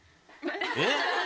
えっ？